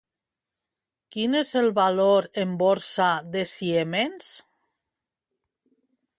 Quin és el valor en borsa de Siemens?